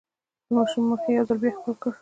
د ماشوم مخ يې يو ځل بيا ښکل کړ.